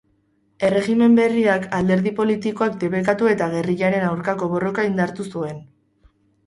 Erregimen berriak alderdi-politikoak debekatu eta gerrillaren aurkako borroka indartu zuen.